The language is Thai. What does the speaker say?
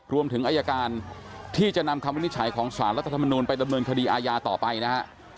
รวมถึงอายการที่จะนำคำวินิจฉัยของสารรัฐธรรมนูลไปดำเนินคดีอาญาต่อไปนะฮะ